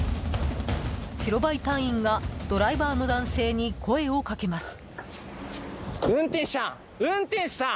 白バイ隊員がドライバーの男性に声をかけます。